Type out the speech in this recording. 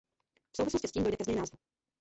V souvislosti s tím dojde ke změně názvu.